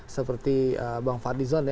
seperti bang fadizon ya